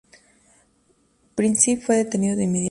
Princip fue detenido de inmediato.